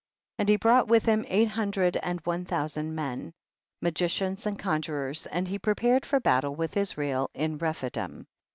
53. And he brought with him eight hundred and one thousand men, ma gicians and conjurers, and he prepar ed for battle with Israel in Rephi dim.